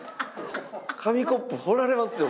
紙コップ放られますよ